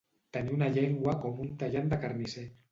Tenir una llengua com un tallant de carnisser.